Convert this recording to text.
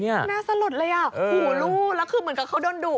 หน้าสะหรดเลยอ่ะหูหลู่แล้วคือเหมือนกับเขาโดนดุอ่ะ